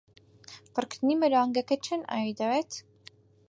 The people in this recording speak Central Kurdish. پڕکردنی مەلەوانگەکەت چەند ئاوی دەوێت؟